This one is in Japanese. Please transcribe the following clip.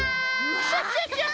クシャシャシャ！